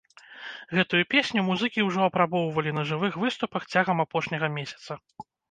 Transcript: Гэтую песню музыкі ўжо апрабоўвалі на жывых выступах цягам апошняга месяца.